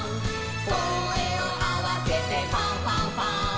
「こえをあわせてファンファンファン！」